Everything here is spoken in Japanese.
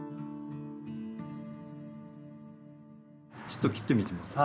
ちょっと切ってみてみます？